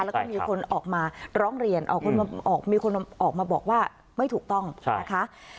แล้วก็มีคนออกมาร้องเรียนมีคนออกมาบอกว่าไม่ถูกต้องนะคะ